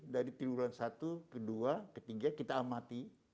dari timuruan satu dua tiga kita amati